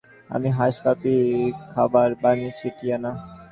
আমি hush puppy খাবার বানিয়েছি, টিয়ানা।